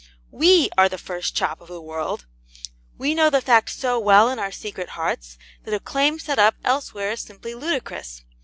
WE are the first chop of the world: we know the fact so well in our secret hearts that a claim set up elsewhere is simply ludicrous.